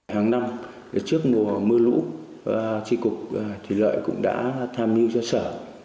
hàng năm trước mùa mưa lũ trị cục thủy lợi cũng đã tham mưu cho sở